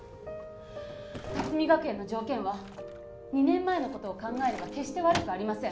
龍海学園の条件は２年前のことを考えれば決して悪くありません